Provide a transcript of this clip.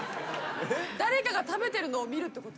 誰かが食べてるのを見るってこと？